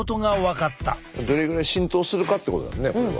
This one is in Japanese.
どれぐらい浸透するかってことだもんねこれは。